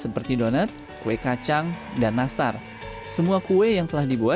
pergi ke mana